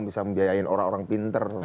bisa membiayain orang orang pinter